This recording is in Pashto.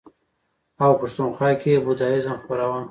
او پښتونخوا کې یې بودیزم خپراوه.